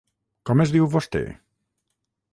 Com es diu, vostè?